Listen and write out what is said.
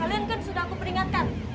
kalian kan sudah aku peringatkan